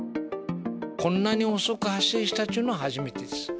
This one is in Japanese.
こんなに遅く発生したというのは初めてです。